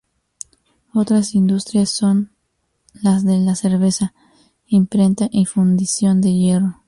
Otras industrias son las de la cerveza, imprenta y fundición de hierro.